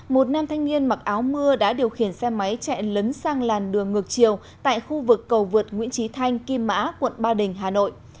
một nam thanh niên mặc áo mưa đã điều khiển xe máy chạy lấn sang làn đường ngược chiều tại khu vực cầu vượt nguyễn trí thanh kim mã quận ba đình hà nội